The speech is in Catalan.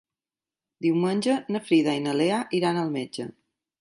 Diumenge na Frida i na Lea iran al metge.